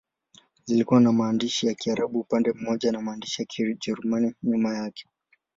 Zilikuwa na maandishi ya Kiarabu upande mmoja na maandishi ya Kijerumani nyuma yake.